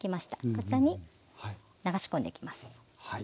こちらに流し込んでいきます。